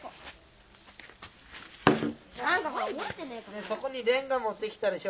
ねえそこにレンガ持ってきたでしょ？